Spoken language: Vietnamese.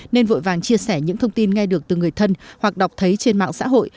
nên vội vàng chia sẻ những thông tin nghe được từ người thân hoặc đọc thấy trên mạng xã hội